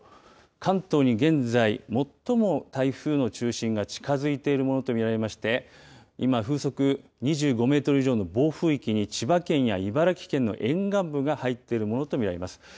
関東に現在、最も台風の中心が近づいているものと見られまして、今、風速２５メートル以上の暴風域に、千葉県や茨城県の沿岸部が入っているものと見られます。